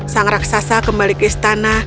sang raksasa kembali ke istana